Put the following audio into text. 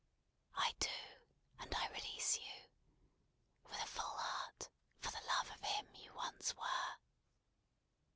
I do; and I release you. With a full heart, for the love of him you once were."